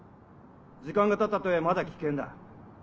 時間がたったとはいえまだ危険だ。